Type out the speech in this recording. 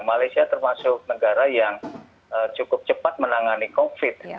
malaysia termasuk negara yang cukup cepat menangani covid